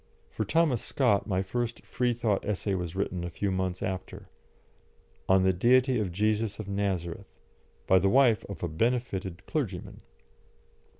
For Thomas Scott my first Freethought essay was written a few months after, "On the Deity of Jesus of Nazareth," by the wife of a benefited clergyman.